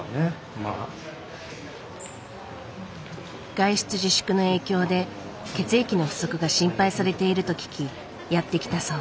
外出自粛の影響で血液の不足が心配されていると聞きやって来たそう。